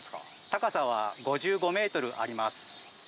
高さは５５メートルあります。